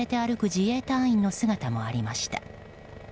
自衛隊員の姿もありました。